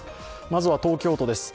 まずは東京都です。